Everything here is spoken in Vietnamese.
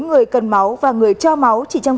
người cần máu và người cho máu chỉ trong